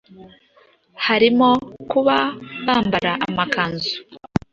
harimo kuba bambara amakanzu